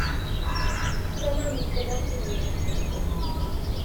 Sgwenna am beth bynnag sy'n cymryd dy ffansi.